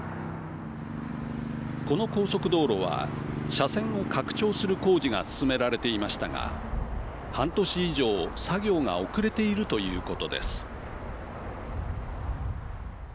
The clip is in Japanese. この高速道路は車線を拡張する工事が進められていましたが半年以上、作業が遅れているということです。